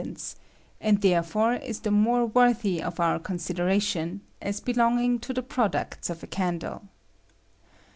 ence, and therefore is the more worthy of our consideration, as belonging to tlie products of a eandle.